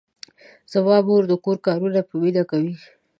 زما مور د کور کارونه په مینه کوي.